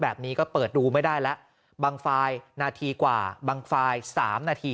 แบบนี้ก็เปิดดูไม่ได้แล้วบางไฟล์นาทีกว่าบางไฟล์สามนาที